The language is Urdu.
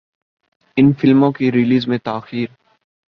ان فلموں کی ریلیز میں تاخیر